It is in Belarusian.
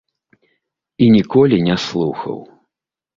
І ніколі не слухаў.